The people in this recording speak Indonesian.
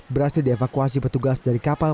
berhasil dievakuasi petugas dari kapal